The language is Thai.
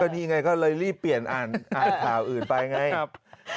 ก็ดีไงก็เลยรีบเปลี่ยนอ่านอ่านข่าวอื่นไปไงครับ